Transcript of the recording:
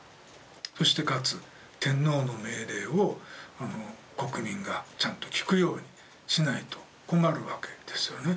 そしてかつ天皇の命令を国民がちゃんと聞くようにしないと困るわけですよね。